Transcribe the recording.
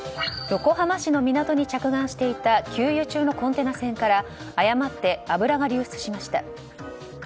横浜市の港に着岸していた給油中のコンテナ船から誤って油が流出しました。